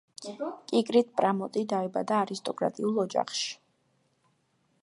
კიკრიტ პრამოტი დაიბადა არისტოკრატიულ ოჯახში.